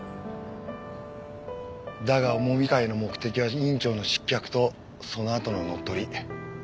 だがもみ会の目的は院長の失脚とそのあとの乗っ取り。